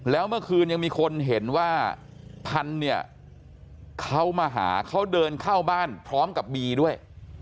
แล้วเมื่อคืนยังมีคนเห็นว่าพันธุ์เนี่ยเขามาหาเขาเดินเข้าบ้านพร้อมกับบีด้วย